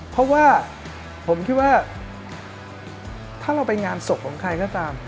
เพราะว่าผมคิดว่าถ้าเราไปงานศพของใครก็ตาม